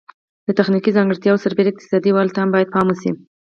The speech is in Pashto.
د تخنیکي ځانګړتیاوو سربیره اقتصادي والی ته هم باید پام وشي.